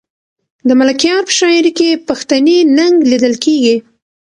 د ملکیار په شاعري کې پښتني ننګ لیدل کېږي.